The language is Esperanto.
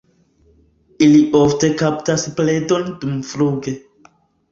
Ili ofte kaptas predon dumfluge.